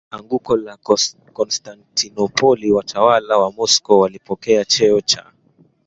anguko la Konstantinopoli watawala wa Moscow walipokea cheo cha